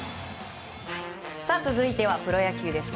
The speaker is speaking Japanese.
続いてはプロ野球です。